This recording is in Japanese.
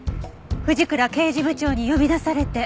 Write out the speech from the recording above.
藤倉刑事部長に呼び出されて。